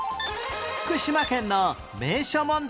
福島県の名所問題